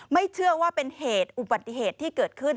ไม่เชื่อว่าเป็นเหตุอุบัติเหตุที่เกิดขึ้น